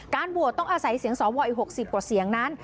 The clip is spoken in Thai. โหวตต้องอาศัยเสียงสวอีก๖๐กว่าเสียงนั้น